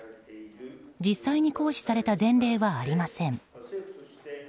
実際に行使された前例はありません。